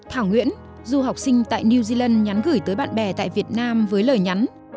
thảo nguyễn du học sinh tại new zealand nhắn gửi tới bạn bè tại việt nam với lời nhắn